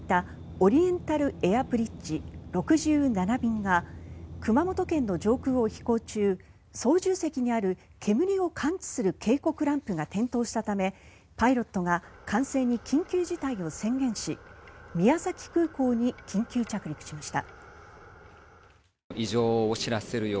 オリエンタルエアブリッジ６７便が熊本県の上空を飛行中操縦席にある煙を感知する警告ランプが点灯したためパイロットが管制に緊急事態を宣言し宮崎空港に緊急着陸しました。